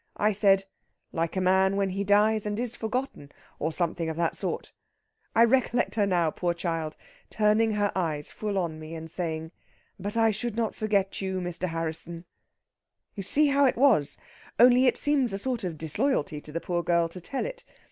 I said, 'Like a man when he dies and is forgotten,' or something of that sort. I recollect her now poor child! turning her eyes full on me and saying, 'But I should not forget you, Mr. Harrisson.' You see how it was? Only it seems a sort of disloyalty to the poor girl to tell it.